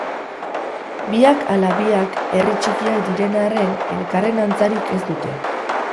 Biak ala biak herri txikiak diren arren elkarren antzarik ez dute.